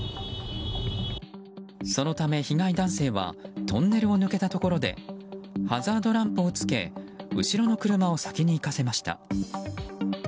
そのため被害男性はトンネルを抜けたところでハザードランプをつけ後ろの車を先に行かせました。